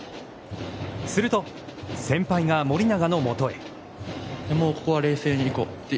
すると、先輩が盛永のもとへ。